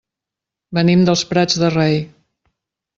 Venim dels Prats de Rei.